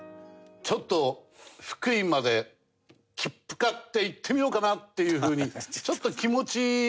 ちょっと福井まで切符買って行ってみようかなっていうふうにちょっと気持ちになってません？